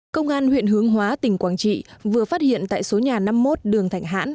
công an huyện hướng hóa tỉnh quảng trị vừa phát hiện tại số nhà năm mươi một đường thạnh hãn